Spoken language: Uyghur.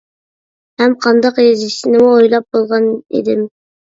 ھەم قانداق يېزىشنىمۇ ئويلاپ بولغان ئىدىم.